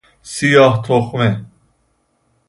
سیاه تخمه